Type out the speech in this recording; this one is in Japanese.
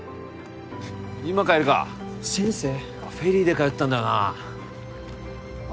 今帰りか先生フェリーで通ってたんだなあ